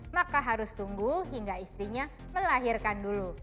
maka harus tunggu hingga istrinya melahirkan dulu